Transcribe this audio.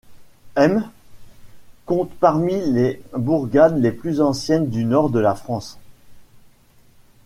Hem compte parmi les bourgades les plus anciennes du Nord de la France.